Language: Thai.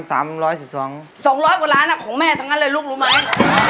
สองร้อยกว่าร้านอ่ะของแม่ทั้งนั้นเลยลูกรู้ไหม